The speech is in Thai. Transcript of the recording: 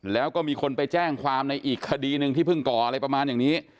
แล้วก็มีคนไปแจ้งความในอีกคดีหนึ่งที่เพิ่งก่ออะไรประมาณอย่างนี้